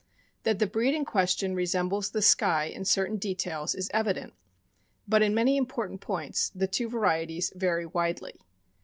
That the breed in question resembles the Skye in certain details is evident, but in many important points the two varieties vary widely.